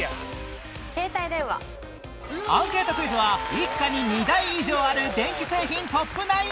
アンケートクイズは一家に２台以上ある電気製品トップ９